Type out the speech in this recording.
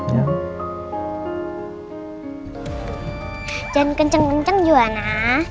jangan kenceng kenceng juwana